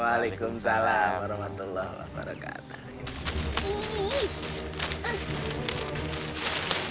waalaikumsalam warahmatullahi wabarakatuh